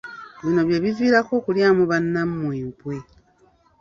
Bino bye biviirako okulyamu bannammwe enkwe .